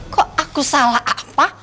kok aku salah apa